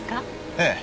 ええ。